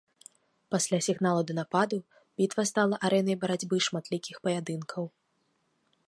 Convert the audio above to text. Пасля сігналу да нападу бітва стала арэнай барацьбы шматлікіх паядынкаў.